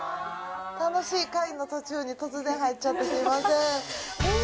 楽しい会の途中に突然入っちゃってすみません。